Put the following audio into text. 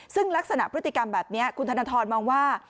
ซึ่งลักษณะพฤติกรรมแบบนี้คุณธนทรมองว่า